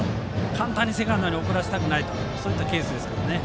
簡単にセカンドに送らせたくないケースですから。